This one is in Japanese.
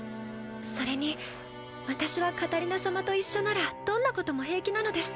それに私はカタリナ様と一緒ならどんなことも平気なのです。